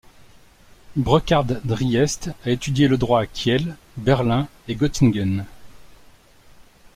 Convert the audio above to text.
Brukhard Driest a étudié le droit à Kiel, Berlin et Göttingen.